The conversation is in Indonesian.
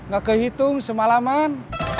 gak kehitung semalaman